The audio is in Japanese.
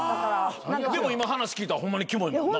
でも今話聞いたらホンマにキモいもんな。